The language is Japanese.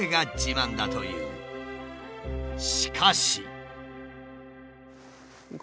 しかし。